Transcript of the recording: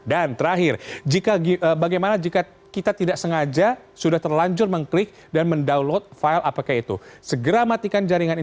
dan terakhir bagaimana jika kita tidak selesai